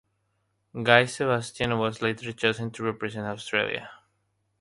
Guy Sebastian was later chosen to represent Australia.